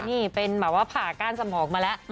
นี่เป็นแบบว่าผ่าก้านสมองมาแล้ว